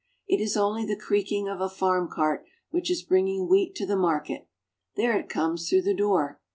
It is only the creaking of a farm cart which is bringing wheat to the market. There it comes through the door.